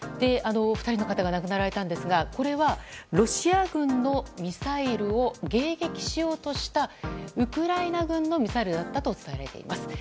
２人の方が亡くなられたんですがこれはロシア軍のミサイルを迎撃しようとしたウクライナ軍のミサイルだったとされています。